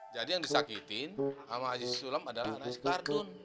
jadi yang disakitin sama haji sulam adalah anak si kardun